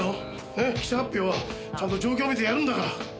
ねっ記者発表はちゃんと状況見てやるんだから。